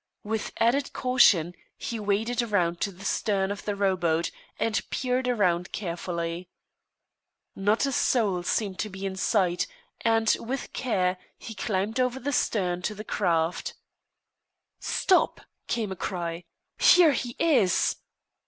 With added caution, he waded around to the stern of the rowboat, and peered around carefully. Not a soul seemed to be in sight, and, with care, he climbed over the stern of the craft. "Stop!" came a cry. "Here he is!"